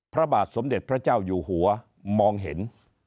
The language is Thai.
พระบาทสมเด็จพระเจ้าอยู่หัวมองเห็น